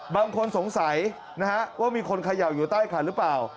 บางคนสงสัยนะฮะว่ามีคนเขย่าอยู่ใต้คันหรือเปล่า